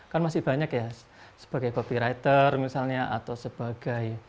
kan masih banyak ya sebagai copywriter misalnya atau sebagai